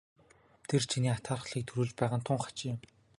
Тэр чиний атаархлыг төрүүлж байгаа нь тун хачин юм.